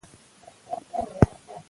ایا ستا ورور په دې پوهنتون کې درس وایي؟